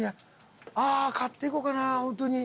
あ買っていこうかなホントに。